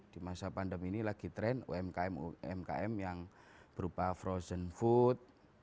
di masa pandemi ini lagi tren umkm umkm yang berupa frozen food